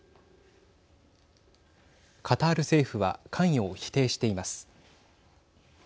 カタール政府は関与を否定しています。